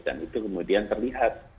dan itu kemudian terlihat